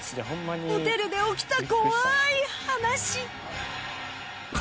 ホテルで起きた怖い話